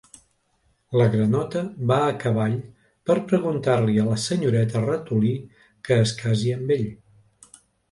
La granota va a cavall per preguntar-li a la senyoreta ratolí que es casi amb ell.